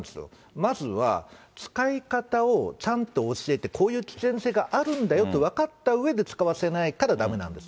まずは、使い方をちゃんと教えて、こういう危険性があるんだよって分かったうえで使わせないからだめなんですよ。